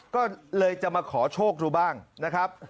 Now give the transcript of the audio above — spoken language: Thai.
ก็เลยจะมาขอโชคดูบ้างนะครับ